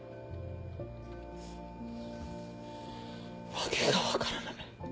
訳が分からない。